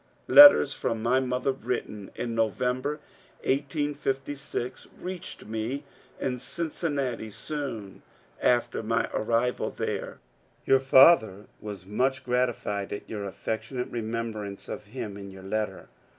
Letters from my mother, written in November, 1856, reached me in Cincinnati soon after my arrival there. Your father was much g^tified at your affectionate remem brance of him in your letter.